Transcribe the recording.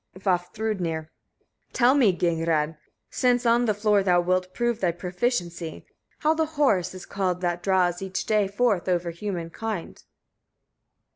Vafthrûdnir. 11. Tell me, Gagnrâd! since on the floor thou wilt prove thy proficiency, how the horse is called that draws each day forth over human kind?